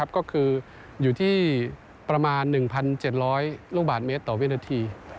ก็คืออยู่ที่ประมาณ๑๗๐๐ลูกบาทเมตรต่อวินาที